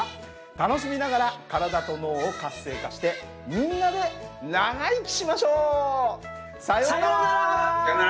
楽しみながら体と脳を活性化してみんなで長生きしましょう！さようなら。